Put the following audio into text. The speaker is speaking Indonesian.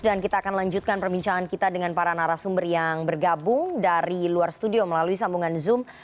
dan kita akan lanjutkan perbincangan kita dengan para narasumber yang bergabung dari luar studio melalui sambungan zoom